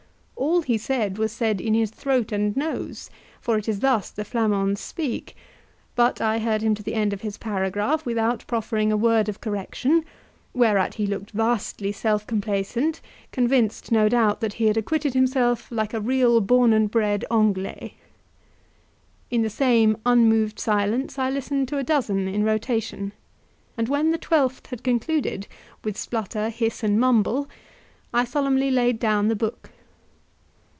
All he said was said in his throat and nose, for it is thus the Flamands speak, but I heard him to the end of his paragraph without proffering a word of correction, whereat he looked vastly self complacent, convinced, no doubt, that he had acquitted himself like a real born and bred "Anglais." In the same unmoved silence I listened to a dozen in rotation, and when the twelfth had concluded with splutter, hiss, and mumble, I solemnly laid down the book.